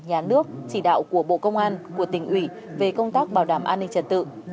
nhà nước chỉ đạo của bộ công an của tỉnh ủy về công tác bảo đảm an ninh trật tự